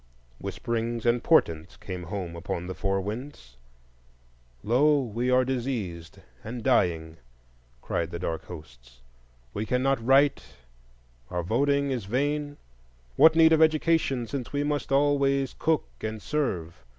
Whisperings and portents came home upon the four winds: Lo! we are diseased and dying, cried the dark hosts; we cannot write, our voting is vain; what need of education, since we must always cook and serve?